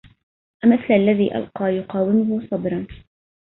أمثل الذي ألقى يقاومه صبر